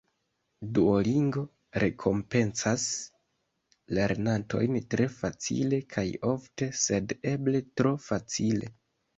Duolingo rekompencas lernantojn tre facile kaj ofte, sed eble tro facile.